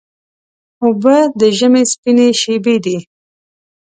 اوبه د ژمي سپینې شېبې دي.